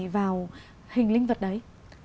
vào hình linh vật đấy